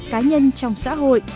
cá nhân trong xã hội